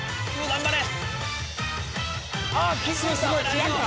頑張れ！